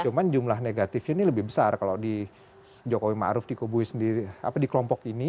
cuma jumlah negatifnya ini lebih besar kalau di jokowi maruf di kubu sendiri apa di kelompok ini